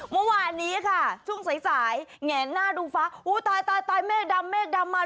เมื่อวานนี้ค่ะช่วงสายสายแงนหน้าดูฟ้าอู้ตายตายเมฆดำเมฆดำมา